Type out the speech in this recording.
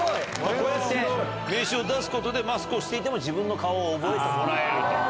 こうやって名刺を出すことでマスクをしていても自分の顔を覚えてもらえると。